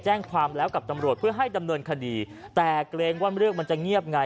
แจ้งความแล้วกับตำรวจเพื่อให้ดำเนินคดีแต่เกรงว่าเรื่องมันจะเงียบไง